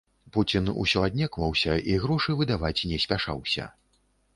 Пуцін усё аднекваўся, і грошы выдаваць не спяшаўся.